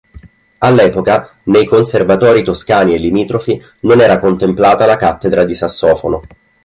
All'epoca, nei conservatori toscani e limitrofi non era contemplata la cattedra di sassofono.